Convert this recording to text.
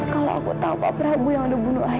kalau aku tau pak prabu yang udah bunuh ayah